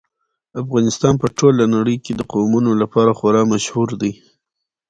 افغانستان په ټوله نړۍ کې د قومونه لپاره خورا مشهور دی.